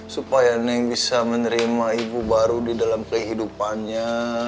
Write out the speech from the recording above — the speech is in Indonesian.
supaya neng bisa menerima ibu baru di dalam kehidupannya